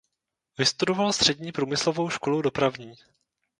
Vystudoval střední průmyslovou školu dopravní.